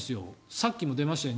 さっきも出ましたよね